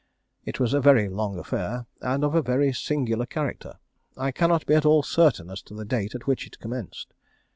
It was a very long affair, and of a very singular character. I cannot be at all certain as to the date at which it commenced.